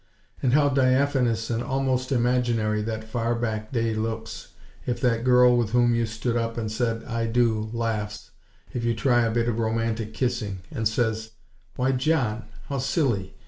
And how diaphanous and almost imaginary that far back day looks, if that girl with whom you stood up and said "I do," laughs, if you try a bit of romantic kissing, and says: "Why, John! How silly!